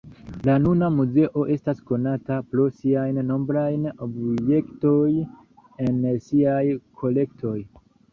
La nuna muzeo estas konata pro siaj nombraj objektoj en siaj kolektoj.